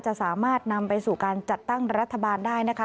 จะสามารถนำไปสู่การจัดตั้งรัฐบาลได้นะคะ